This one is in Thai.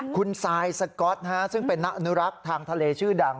คุณซายสก๊อตซึ่งเป็นนักอนุรักษ์ทางทะเลชื่อดัง